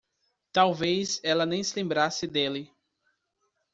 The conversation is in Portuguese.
Talvez ela nem se lembrasse dele.